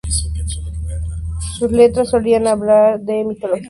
Sus letras solían hablar de mitología y temáticas medievales.